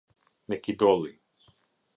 Mekidolli